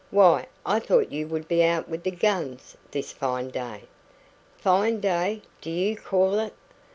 Why, I thought you would be out with the guns this fine day." "Fine day, do you call it?